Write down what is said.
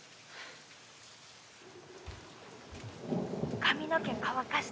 「“髪の毛乾かして”」